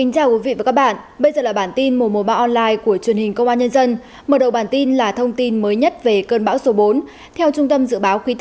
cảm ơn các bạn đã theo dõi